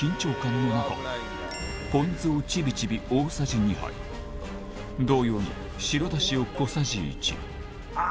ポン酢をちびちび大さじ２杯同様に白だしを小さじ１あぁ！